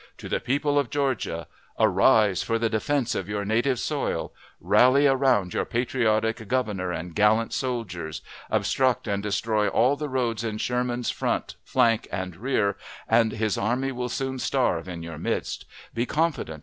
To the People of Georgia: Arise for the defense of your native soil! Rally around your patriotic Governor and gallant soldiers! Obstruct and destroy all the roads in Sherman's front, flank, and rear, and his army will soon starve in your midst. Be confident.